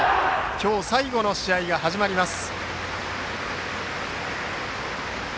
今日最後の試合が始まります。